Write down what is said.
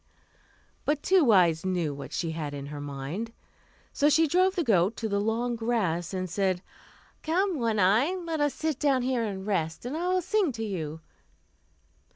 But Two Eyes knew what she had in her mind. So she drove the goat into the long grass, and said, "Come, One Eye, let us sit down here and rest, and I will sing to you."